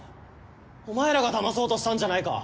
お前らがだまそうとしたんじゃないか。